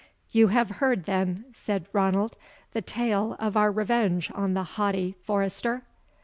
"You have heard, then," said Ranald, "the tale of our revenge on the haughty forester?"